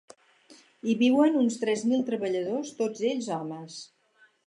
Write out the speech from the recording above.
Hi viuen uns tres mil treballadors, tots ells homes.